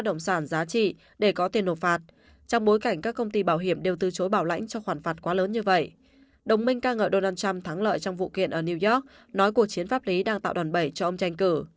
đồng minh ca ngợi donald trump thắng lợi trong vụ kiện ở new york nói cuộc chiến pháp lý đang tạo đòn bẩy cho ông tranh cử